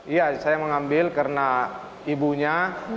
iya saya mengambil karena ibunya